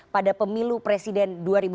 pada pemilu presiden dua ribu dua puluh empat